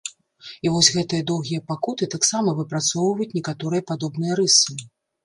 І вось гэтыя доўгія пакуты таксама выпрацоўваюць некаторыя падобныя рысы.